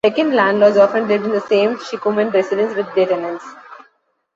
"Second landlords" often lived in the same shikumen residence with their tenants.